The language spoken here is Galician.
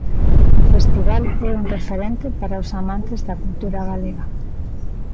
O festival é un referente para os amantes da cultura galega.